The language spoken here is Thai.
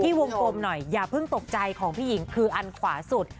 วงกลมหน่อยอย่าเพิ่งตกใจของพี่หญิงคืออันขวาสุด